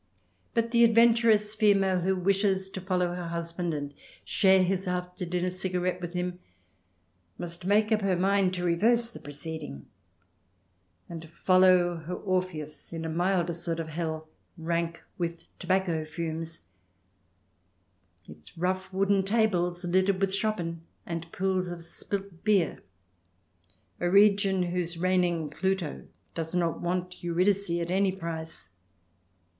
But the adven turous female who wishes to follow her husband and share his after dinner cigarette with him must make up her mind to reverse the proceeding and follow her Orpheus into a milder sort of hell, rank with tobacco fumes ; its rough wooden tables littered with Schoppen and pools of spilt beer; a region whose reigning Pluto does not want Eurydice at any price.